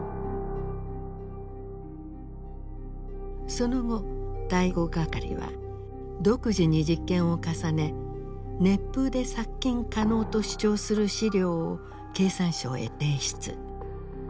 その後第五係は独自に実験を重ね熱風で殺菌可能と主張する資料を経産省へ提出。